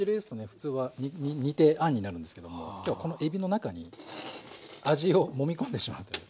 普通は煮てあんになるんですけども今日はこのえびの中に味をもみ込んでしまうという。